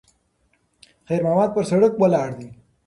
خیر محمد پر سړک ولاړ دی.